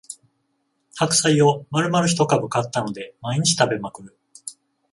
白菜をまるまる一株買ったので毎日食べまくる